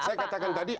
saya katakan tadi